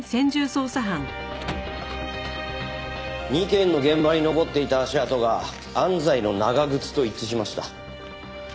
２件の現場に残っていた足跡が安西の長靴と一致しました。